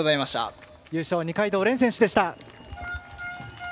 優勝、二階堂蓮選手でした。